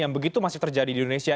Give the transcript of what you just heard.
yang begitu masih terjadi di indonesia